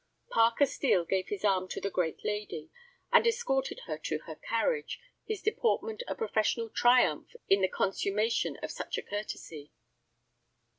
Parker Steel gave his arm to the great lady, and escorted her to her carriage, his deportment a professional triumph in the consummation of such a courtesy.